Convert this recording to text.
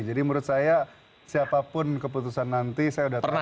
jadi menurut saya siapapun keputusan nanti saya sudah terpajang